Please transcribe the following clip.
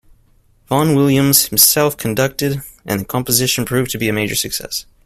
Vaughan Williams himself conducted, and the composition proved to be a major success.